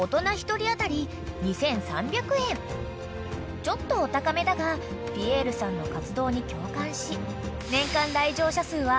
［ちょっとお高めだがピエールさんの活動に共感し］